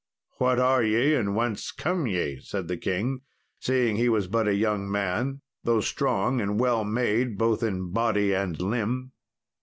"What are ye, and whence come ye?" said the king, seeing he was but a young man, though strong and well made both in body and limb.